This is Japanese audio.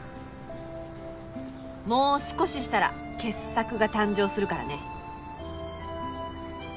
もう少ししたら傑作が誕生するからね。